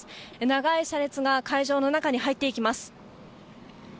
長い車列が会場の中に入っていきます。